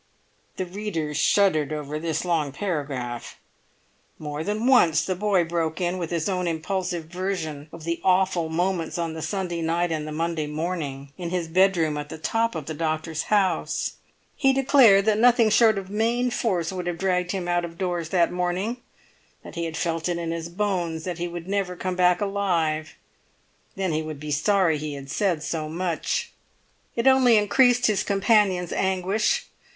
The readers shuddered over this long paragraph. More than once the boy broke in with his own impulsive version of the awful moments on the Sunday night and the Monday morning, in his bedroom at the top of the doctor's house. He declared that nothing short of main force would have dragged him out of doors that morning, that he felt it in his bones that he would never come back alive. Then he would be sorry he had said so much. It only increased his companion's anguish.